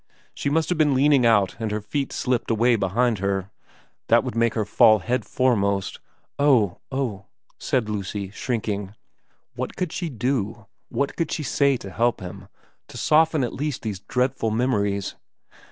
She must have been leaning out and her feet slipped away behind her. That would make her fall head foremost '' Oh oh ' said Lucy, shrinking. What could she do, what could she say to help him, to soften at least these dreadful memories